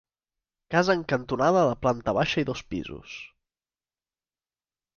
Casa en cantonada de planta baixa i dos pisos.